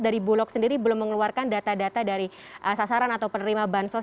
dari bulog sendiri belum mengeluarkan data data dari sasaran atau penerima bansos